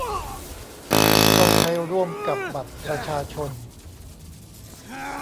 ต้องใช้ร่วมกับบัตรประชาชน